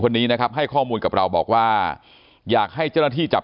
คนนี้นะครับให้ข้อมูลกับเราบอกว่าอยากให้เจ้าหน้าที่จับ